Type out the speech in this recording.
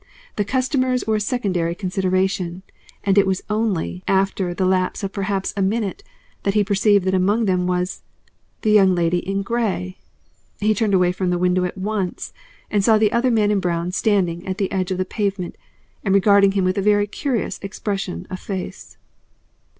The customers were a secondary consideration, and it was only after the lapse of perhaps a minute that he perceived that among them was the Young Lady in Grey! He turned away from the window at once, and saw the other man in brown standing at the edge of the pavement and regarding him with a very curious expression of face.